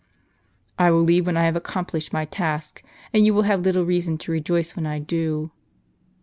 " I will leave when I have accomplished my task, and you will have little reason to rejoice when I do.